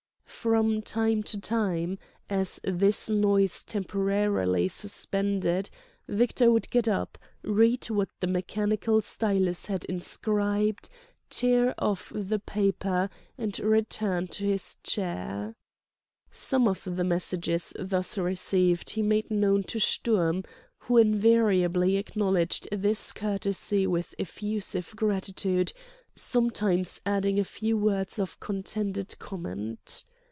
From time to time, as this noise temporarily suspended, Victor would get up, read what the mechanical stylus had inscribed, tear off the paper, and return to his chair. Some of the messages thus received he made known to Sturm, who invariably acknowledged this courtesy with effusive gratitude, sometimes adding a few words of contented comment.